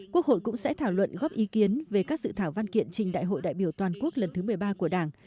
quốc hội cũng sẽ thảo luận góp ý kiến về các dự thảo văn kiện trình đại hội đại biểu toàn quốc lần thứ một mươi ba của đảng